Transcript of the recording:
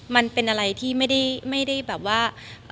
มันเป็นอะไรที่ไม่ได้แบบว่า